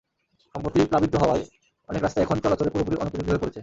সম্প্রতি প্লাবিত হওয়ায় অনেক রাস্তাই এখন চলাচলের পুরোপুরি অনুপযোগী হয়ে পড়েছে।